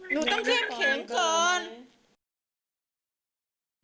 หนูต้องเข้มแข็งก่อน